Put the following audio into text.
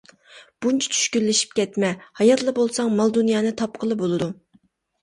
بۇنچە چۈشكۈنلىشىپ كەتمە، ھاياتلا بولساڭ مال-دۇنيانى تاپقىلى بولىدۇ.